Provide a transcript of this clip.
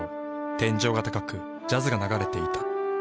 天井が高くジャズが流れていた。